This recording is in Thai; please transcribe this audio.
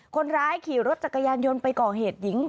คนร้ายขี่รถจักรยานยนต์ไปก่อเหตุหญิง